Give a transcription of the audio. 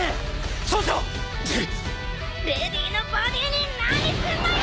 レディーのボディーに何すんのよ！